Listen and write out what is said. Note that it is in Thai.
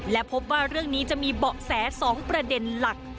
และพบว่าเรื่องนี้จะมีเบาะแส๒ประเด็นหลัก